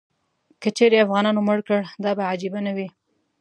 که چیرې افغانانو مړ کړ، دا به عجیبه نه وي.